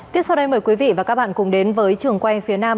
tiếp sau đây mời quý vị và các bạn cùng đến với trường quay phía nam